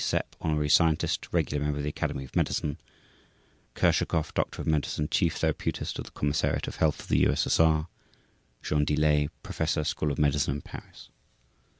SEPP Honorary Scientist, Regular Member of the Academy of Medicine /s/ KURSHAKOV Doctor of Medicine, Chief Therapeutist of the Commissariat of Health of the U.S.S.R. /s/ JEAN DELAY Professor, School of Medicine in Paris.